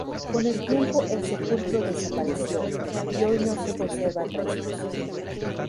Con el tiempo el sepulcro desapareció, y hoy no se conservan restos.